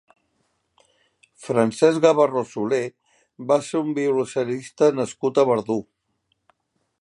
Francesc Gabarró Solé va ser un violoncelista nascut a Verdú.